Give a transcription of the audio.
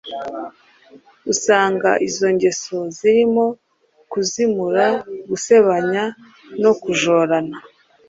Usanga izo ngeso zirimo kuzimura, gusebanya no kujorana.